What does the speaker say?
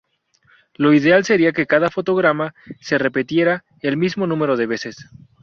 Lo ideal sería que cada fotograma se repitiera el mismo número de veces.